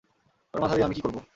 ওর মাথা দিয়ে আমি কী করব?